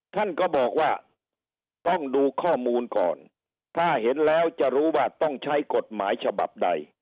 ท่านก็บอกว่าต้องดูข้อมูลก่อนถ้าเห็นแล้วจะรู้ว่าต้องใช้กฎหมายฉบับใด